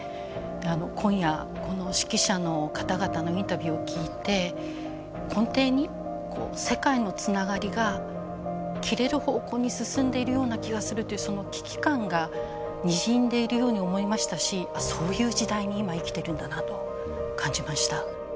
今夜この識者の方々のインタビューを聞いて根底に世界のつながりが切れる方向に進んでいるような気がするというその危機感がにじんでいるように思いましたしそういう時代に今生きているんだなと感じました。